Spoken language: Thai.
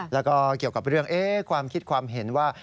แล้วก็เกี่ยวกับเรื่องความคิดความเห็นว่า